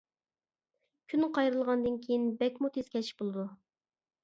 كۈن قايرىلغاندىن كىيىن بەكمۇ تېز كەچ بولىدۇ.